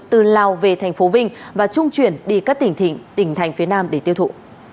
từ lào về tp vinh và trung chuyển đi các tỉnh thỉnh tỉnh thành phía nam để tiêu thụ